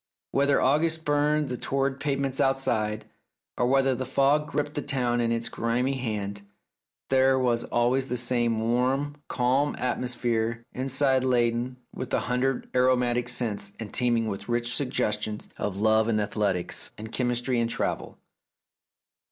Whether August burned the torrid pavements outside, or whether the fog gripped the town in its grimy hand, there was always the same warm, calm atmosphere inside laden with a hundred aromatic scents and teeming with rich suggestions of love and athletics and chemistry and travel.